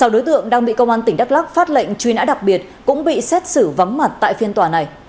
sáu đối tượng đang bị công an tỉnh đắk lắc phát lệnh truy nã đặc biệt cũng bị xét xử vắng mặt tại phiên tòa này